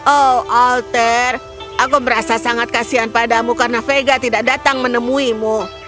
oh alter aku berasa sangat kasian padamu karena vega tidak datang menemuimu